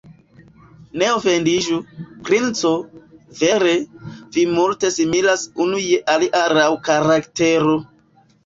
Ne ofendiĝu, princo, vere, vi multe similas unu je alia laŭ karaktero.